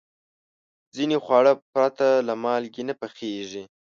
ځینې خواړه پرته له مالګې نه پخېږي.